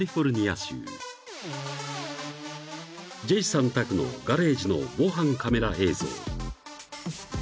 ［ジェイさん宅のガレージの防犯カメラ映像］